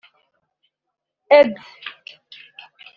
Ed)